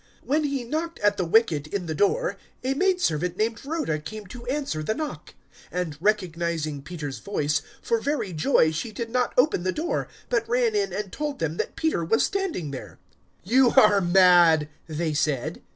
012:013 When he knocked at the wicket in the door, a maidservant named Rhoda came to answer the knock; 012:014 and recognizing Peter's voice, for very joy she did not open the door, but ran in and told them that Peter was standing there. 012:015 "You are mad," they said.